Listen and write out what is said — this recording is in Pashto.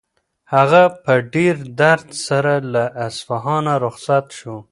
هغه په ډېر درد سره له اصفهانه رخصت شو.